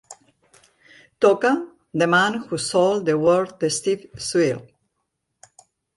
Toca The man who sold the world de Steve Swell